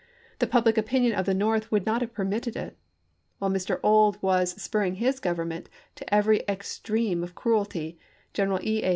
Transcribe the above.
The public opinion of the North would not have permitted it. While Mr. Ould was spur ring his Government to every extremity of cruelty, General E. A.